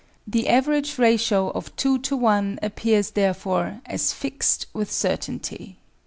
The average ratio of 2 to 1 appears, therefore, as fixed with certainty.